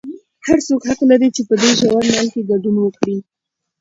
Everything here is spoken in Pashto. هر څوک حق لري چې په دې ژورنال کې ګډون وکړي.